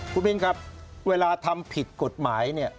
คุณมินครับเวลาทำผิดกฎหมายเนี่ย